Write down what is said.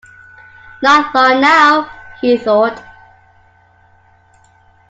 "Not long now," he thought.